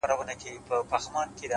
مرگ دی که ژوند دی!